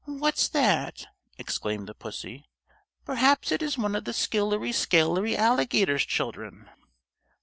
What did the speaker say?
"What's that?" exclaimed the pussy. "Perhaps it is one of the skillery scalery alligator's children."